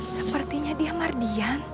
sepertinya dia mardian